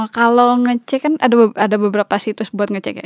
kalau ngecek kan ada beberapa situs buat ngecek ya